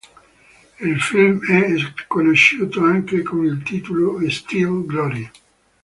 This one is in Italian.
Il film è conosciuto anche con il titolo "Steel Glory".